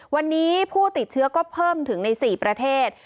วันนี้ผู้ติดเชื้อก็เพิ่มถึงใน๔ประเทศ